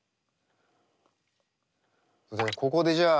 ここでじゃあ。